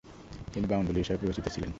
তিনি বাউণ্ডুলে হিসাবে বিবেচিত ছিলেন।